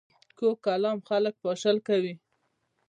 کوږ کلام خلک پاشل کوي